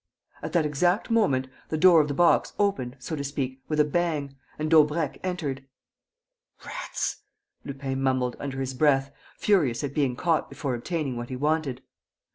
At that exact moment, the door of the box opened, so to speak, with a bang, and Daubrecq appeared. "Rats!" Lupin mumbled, under his breath, furious at being caught before obtaining what he wanted.